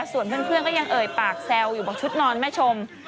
ส่วนเพื่อนก็ยังเอ่ยปากแซวอยู่บอกชุดนอนแม่ชม